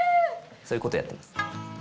そういうことやってます。